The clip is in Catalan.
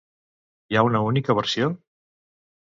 Hi ha una única versió?